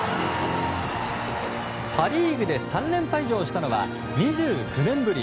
パ・リーグで３連覇以上したのは実に２９年ぶり。